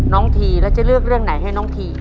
ทีแล้วจะเลือกเรื่องไหนให้น้องที